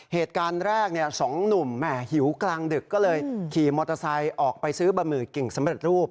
เหตุการณ์แรกสองหนุ่มแหม่หิวกลางดึกก็เลยขี่มอเตอร์ไซค์ออกไปซื้อบะหมี่กึ่งสำเร็จรูป